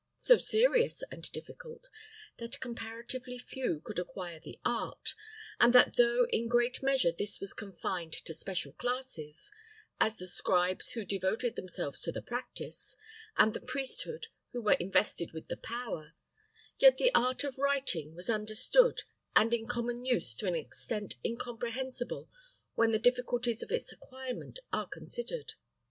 So serious and difficult, that comparatively few could acquire the art, and that though in great measure this was confined to special classes, as the scribes who devoted themselves to the practice, and the priesthood who were invested with the power, yet the art of writing was understood and in common use to an extent incomprehensible when the difficulties of its acquirement are considered.